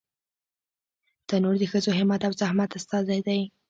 تنور د ښځو همت او زحمت استازی دی